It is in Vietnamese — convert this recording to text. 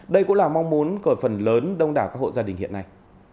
đây cũng là mong muốn của phần lớn đông đảo các hộ gia đình hiện nay